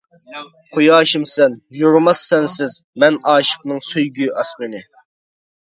قۇياشىمسەن، يورۇماس سەنسىز، مەن ئاشىقنىڭ سۆيگۈ ئاسمىنى.